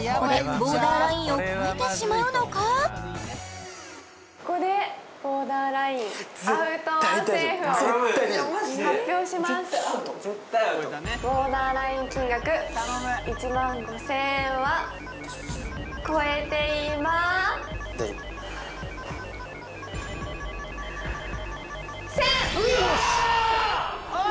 ボーダーライン金額１万５０００円は超えていません！